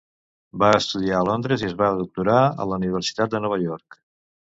Va estudiar a Londres i es va doctorar a la Universitat de Nova York.